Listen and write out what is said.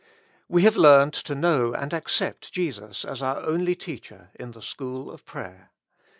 We have learned to know and accept Jesus as our only teacher in the school of prayer.